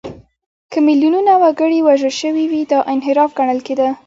که میلیونونه وګړي وژل شوي وي، دا انحراف ګڼل کېده.